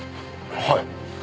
はい。